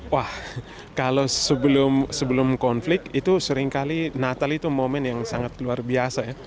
wah kalau sebelum konflik itu seringkali natal itu momen yang sangat luar biasa ya